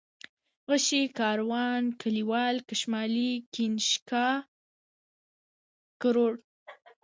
غشى ، کاروان ، کليوال ، کشمالی ، كنيشكا ، کروړ